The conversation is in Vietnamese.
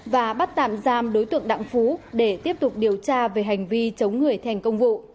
và bắt tạm giam đối tượng đặng phú để tiếp tục điều tra về hành vi chống người thành công vụ